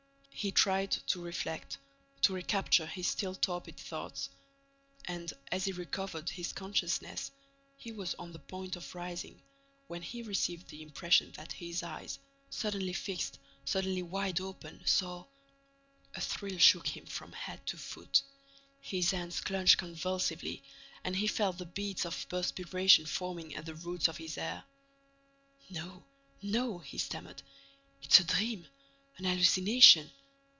He tried to reflect, to recapture his still torpid thoughts. And, as he recovered his consciousness, he was on the point of rising, when he received the impression that his eyes, suddenly fixed, suddenly wide open, saw— A thrill shook him from head to foot. His hands clutched convulsively and he felt the beads of perspiration forming at the roots of his hair: "No, no," he stammered. "It's a dream, an hallucination.